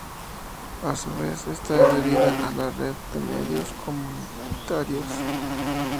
A su vez, está adherida a la Red de Medios Comunitarios.